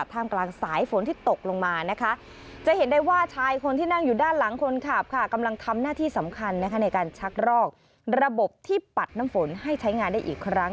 ท่ามกลางสายฝนที่ตกลงมานะคะจะเห็นได้ว่าชายคนที่นั่งอยู่ด้านหลังคนขับค่ะกำลังทำหน้าที่สำคัญนะคะในการชักรอกระบบที่ปัดน้ำฝนให้ใช้งานได้อีกครั้ง